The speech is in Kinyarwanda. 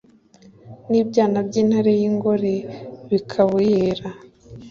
n'ibyana by'intare y'ingore bikabuyera